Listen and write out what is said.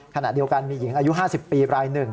ขณะเดียวกันมีหญิงอายุ๕๐ปีรายหนึ่ง